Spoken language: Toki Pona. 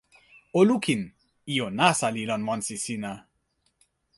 o lukin! ijo nasa li lon monsi sina.